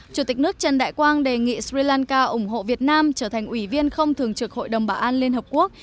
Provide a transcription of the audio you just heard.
chủ tịch nước trần đại quang đề nghị sri lanka ủng hộ việt nam trở thành ủy viên không thường trực hội đồng bảo an liên hợp quốc